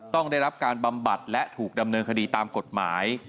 ต้องได้รับการบำบัดและถูกดำเนินคดีตามกฎหมาย